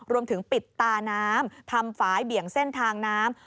รวมถึงปิดตาน้ำทำฝายเบี่ยงเส้นทางน้ำ